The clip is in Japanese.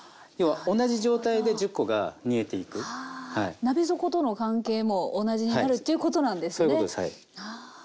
鍋底との関係も同じになるっていうことなんですね。